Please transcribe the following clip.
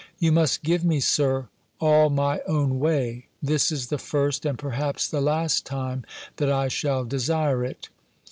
"You must give me, Sir, all my own way; this is the first, and perhaps the last time, that I shall desire it.